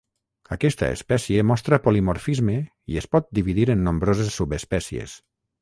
Aquesta espècie mostra polimorfisme i es pot dividir en nombroses subespècies.